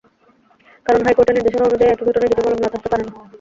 কারণ, হাইকোর্টের নির্দেশনা অনুযায়ী একই ঘটনায় দুটি মামলা থাকতে পারে না।